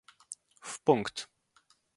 W pkt